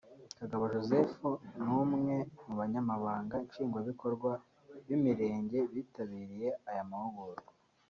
Kagabo Joseph ni umwe mu banyamabanga nshingwabikorwa b’imirenge bitabiriye aya mahugurwa